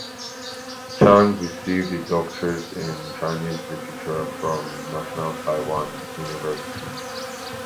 Chang received a doctorate in Chinese literature from National Taiwan University.